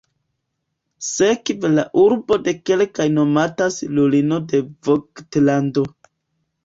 Sekve la urbo de kelkaj nomatas lulilo de Vogt-lando.